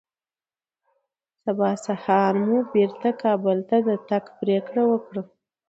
سبا سهار مو بېرته کابل ته د تګ پرېکړه وکړه